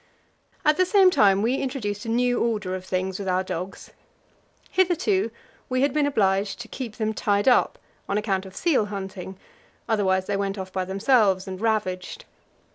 At the same time we introduced a new order of things with our dogs. Hitherto we had been obliged to keep them tied up on account of seal hunting; otherwise they went off by themselves and ravaged.